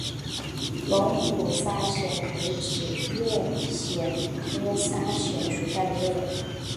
龙骨砂藓为紫萼藓科砂藓属下的一个种。